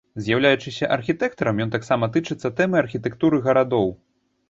З'яўляючыся архітэктарам, ён таксама тычыцца тэмы архітэктуры гарадоў.